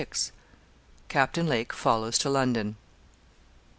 CAPTAIN LAKE FOLLOWS TO LONDON.